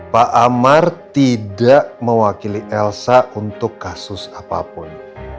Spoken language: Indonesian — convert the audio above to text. pak amar tidak mewakili elsa untuk kasus apapun